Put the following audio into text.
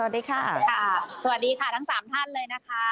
สวัสดีค่ะสวัสดีค่ะทั้งสามท่านเลยนะคะ